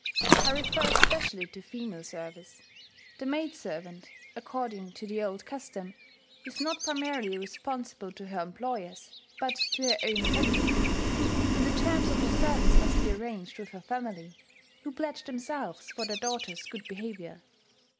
I refer especially to female service. The maid servant, according to the old custom, is not primarily responsible to her employers, but to her own family; and the terms of her service must be arranged with her family, who pledge themselves for their daughter's good behaviour.